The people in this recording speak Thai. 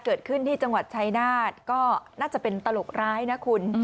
เกิดขึ้นที่จังหวัดชายนาฏก็น่าจะเป็นตลกร้ายนะคุณ